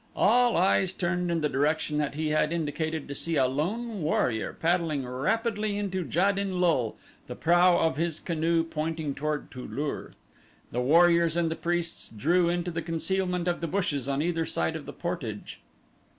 All eyes turned in the direction that he had indicated to see a lone warrior paddling rapidly into Jad in lul, the prow of his canoe pointing toward Tu lur. The warriors and the priests drew into the concealment of the bushes on either side of the portage.